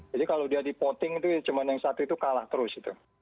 jadi kalau dia dipoting itu cuma yang satu itu kalah terus